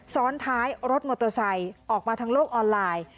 ซ้อนท้ายรถมอเตอร์ไซค์ออกมาทางโลกออนไลน์